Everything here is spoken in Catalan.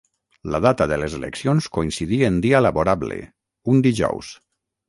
La data de les eleccions coincidí en dia laborable, un dijous.